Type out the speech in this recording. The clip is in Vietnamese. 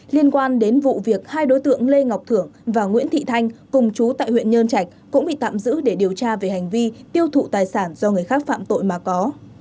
liên quan đến vụ việc hai đối tượng lê ngọc thưởng và nguyễn thị thanh cùng chú tại huyện nhơn trạch cũng bị tạm giữ để điều tra về hành vi tiêu thụ tài sản do người khác phạm tội mà có